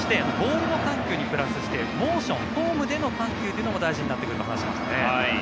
そしてプラスしてモーション、フォームでの緩急も大事になってくると話していました。